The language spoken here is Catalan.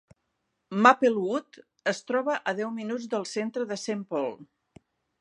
Maplewood es troba a deu minuts del centre de Saint Paul.